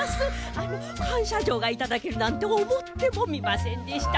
あのかんしゃじょうがいただけるなんておもってもみませんでした。